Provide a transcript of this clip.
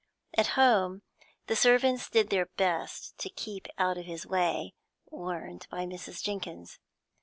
At home, the servants did their best to keep out of his way, warned by Mrs. Jenkins.